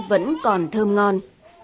vẫn còn thơm ngon